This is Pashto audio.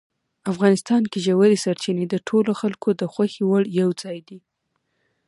افغانستان کې ژورې سرچینې د ټولو خلکو د خوښې وړ یو ځای دی.